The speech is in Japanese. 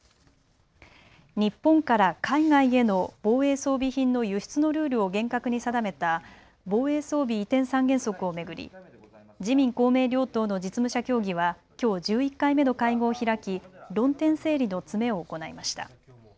日本から海外への防衛装備品の輸出のルールを厳格に定めた防衛装備移転三原則を巡り自民・公明両党の実務者協議はきょう１１回目の会合を開き論点整理の詰めを行いました。